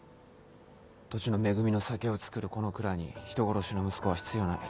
土地の恵みの酒を造るこの蔵に人殺しの息子は必要ない。